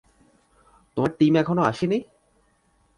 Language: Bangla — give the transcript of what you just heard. তোমার টিম এখনও আসেনি?